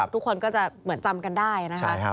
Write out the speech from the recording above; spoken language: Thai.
ทุกคนก็จะเหมือนจำกันได้นะคะ